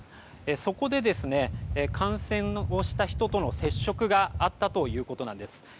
そこで感染をした人との接触があったということです。